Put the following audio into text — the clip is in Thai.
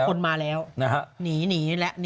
มันคลนมาแล้วหนีแล้ว